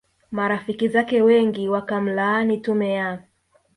marafiki zake wengi wakamlaani tume ya